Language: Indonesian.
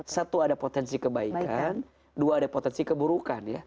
satu ada potensi kebaikan dua ada potensi keburukan ya